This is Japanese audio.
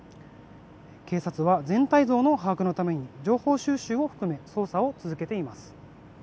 警察は全体像の把握のために情報収集を含め捜査を続けています。